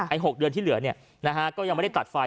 ๖เดือนที่เหลือเนี่ยนะฮะก็ยังไม่ได้ตัดไฟ